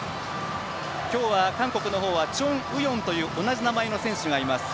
今日は韓国の方はチョン・ウヨンという同じ名前の選手がいます。